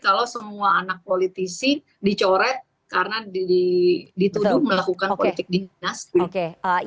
kalau semua anak politisi dicoret karena dituduh melakukan politik dinasti